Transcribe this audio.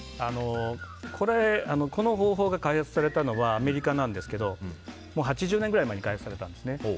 この方法が開発されたのはアメリカなんですけど８０年前くらいに開発されたんですね。